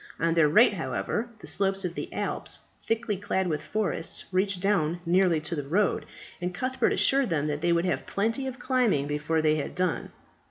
On their right, however, the slopes of the Alps, thickly clad with forests, reached down nearly to the road, and Cuthbert assured them that they would have plenty of climbing before they had done.